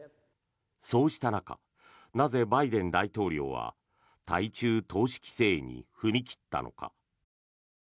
そうした中なぜバイデン大統領は対中投資規制に踏み切ったのか。